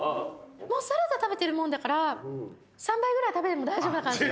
サラダ食べてるもんだから３杯ぐらい食べても大丈夫な感じ。